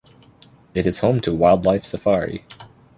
It is home to Wildlife Safari.